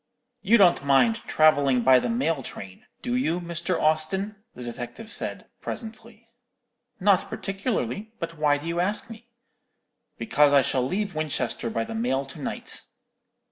"'You don't mind travelling by the mail train, do you, Mr. Austin?' the detective said, presently. "'Not particularly; but why do you ask me?' "'Because I shall leave Winchester by the mail to night.'